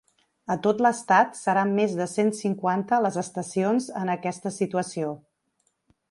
A tot l’estat, seran més de cent cinquanta les estacions en aquesta situació.